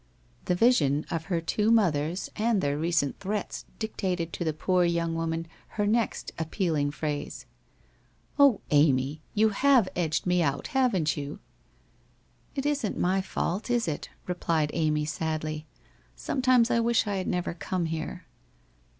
The vision of her two mothers and their recent threats dictated to the poor young woman her next appealing phrase. * Oh, Amy, you have edged me out, haven't you ?'' It isn't my fault, is it ?' replied Amy sadly. ' Some times I wish I had never come here